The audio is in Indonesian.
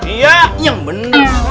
iya yang bener